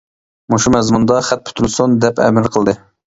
مۇشۇ مەزمۇندا خەت پۈتۈلسۇن، دەپ ئەمىر قىلدى.